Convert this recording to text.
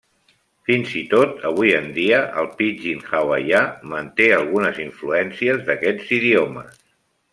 Fins i tot avui en dia, el pidgin hawaià manté algunes influències d'aquests idiomes.